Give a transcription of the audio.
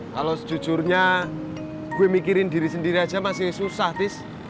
kalau sejujurnya gue mikirin diri sendiri aja masih susah tis